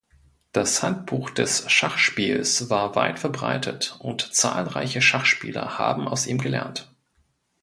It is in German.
Das Handbuch des Schachspiels war weit verbreitet, und zahlreiche Schachspieler haben aus ihm gelernt.